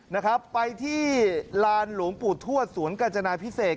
นะครับไปที่ลานหลวงปู่ทวดสวนกาจนาพิเศษ